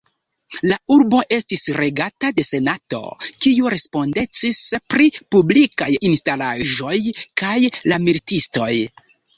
La urbo estis regata de Senato, kiu respondecis pri publikaj instalaĵoj kaj la militistoj.